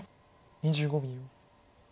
２５秒。